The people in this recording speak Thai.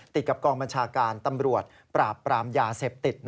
ติดกับกองบัญชาการตำรวจปราบปรามยาเสพติด